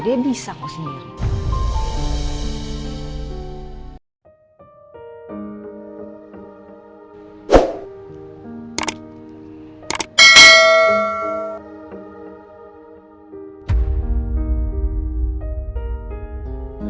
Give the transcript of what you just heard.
dia bisa aku sendiri